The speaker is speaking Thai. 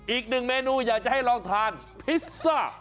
อีกหนึ่งเมนูอยากจะให้ลองทานพิซซ่า